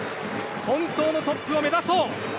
本当のトップを目指そう。